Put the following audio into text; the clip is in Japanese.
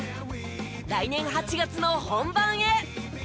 来年８月の本番へ！